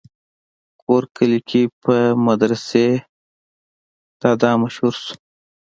کور کلي کښې پۀ مدرسې دادا مشهور شو